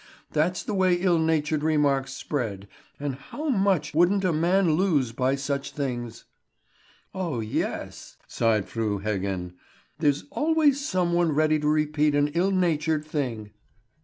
That's the way ill natured remarks spread; and how much wouldn't a man lose by such things!" "Oh yes," sighed Fru Heggen; "there's always some one ready to repeat an ill natured thing."